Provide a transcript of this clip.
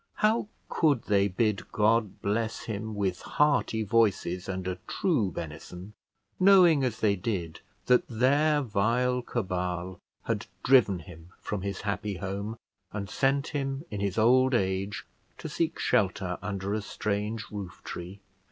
how could they bid God bless him with hearty voices and a true benison, knowing, as they did, that their vile cabal had driven him from his happy home, and sent him in his old age to seek shelter under a strange roof tree?